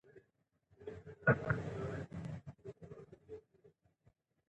که لويس دوپري یې سرښندنه ونه ستایي، نو نړیوال به پرې پوه نه سي.